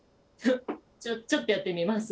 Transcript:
ちょっとやってみます。